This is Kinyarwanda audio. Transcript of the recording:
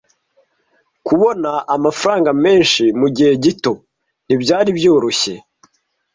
Kubona amafaranga menshi mugihe gito ntibyari byoroshye.